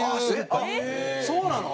あっそうなの？